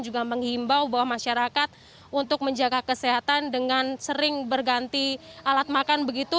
juga menghimbau bahwa masyarakat untuk menjaga kesehatan dengan sering berganti alat makan begitu